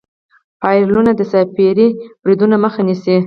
فایروالونه د سایبري بریدونو مخه نیسي.